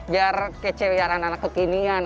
biar kecewakan anak kekinian